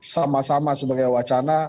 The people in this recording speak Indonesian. sama sama sebagai wacana